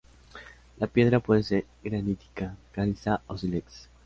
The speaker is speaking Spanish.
La piedra puede ser granítica, caliza o sílex.